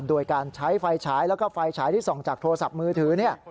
โดยการใช้ไฟฉายแล้วก็ไฟฉายที่ส่องจากโทรศัพท์มือถือ